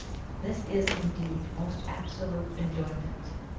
This is indeed most absolute enjoyment.